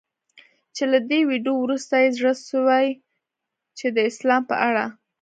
چي له دې ویډیو وروسته یې زړه سوی چي د اسلام په اړه